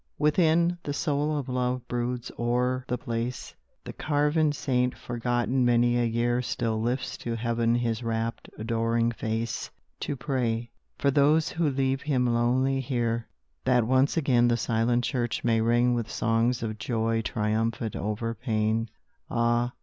Within, the soul of love broods o'er the place; The carven saint forgotten many a year Still lifts to heaven his rapt adoring face To pray, for those who leave him lonely here, That once again the silent church may ring With songs of joy triumphant over pain Ah!